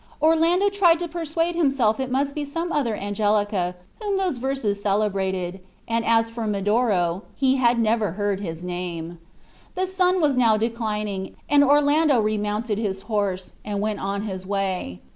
Orlando tried to persuade himself it must be some other Angelica whom those verses celebrated, and as for Medoro, he had never heard his name. The sun was now declining, and Orlando remounted his horse, and went on his way.